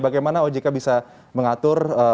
bagaimana ojk bisa mengatur